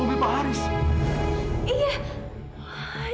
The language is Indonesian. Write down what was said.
ini mobil pak haris